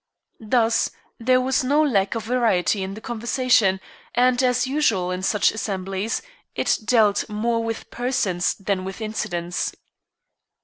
Thus there was no lack of variety in the conversation, and, as usual in such assemblies, it dealt more with persons than with incidents.